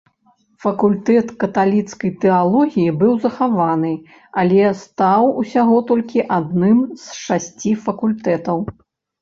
Факультэт каталіцкай тэалогіі быў захаваны, але стаў усяго толькі адным з шасці факультэтаў.